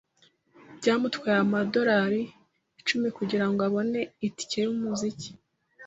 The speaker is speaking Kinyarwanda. Byamutwaye amadorari icumi kugirango abone itike yumuziki.